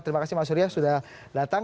terima kasih mas surya sudah datang